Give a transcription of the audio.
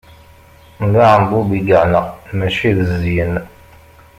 D aɛembub i yeɛna, mačči d zzyen.